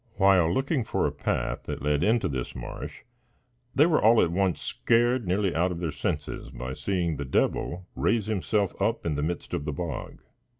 While looking for a path that led into this marsh, they were all at once scared nearly out of their senses by seeing the devil raise himself up in the midst of the bog.